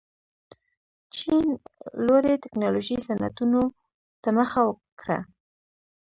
چین لوړې تکنالوژۍ صنعتونو ته مخه کړه.